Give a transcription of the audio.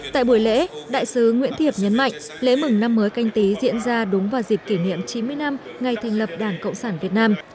tại buổi lễ đại sứ nguyễn thiệp nhấn mạnh lễ mừng năm mới canh tí diễn ra đúng vào dịp kỷ niệm chín mươi năm ngày thành lập đảng cộng sản việt nam